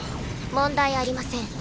問題ありません。